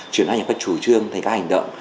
chuyển hóa thành các chủ trương thành các hành động